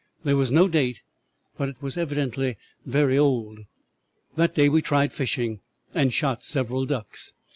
There was no date, but it was evidently very old. "'That day we tried fishing, and shot several ducks.